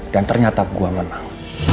dan ternyata gua menang